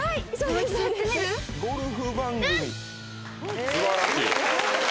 「うん！」素晴らしい。